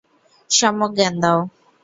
সম্যক জ্ঞান দাও।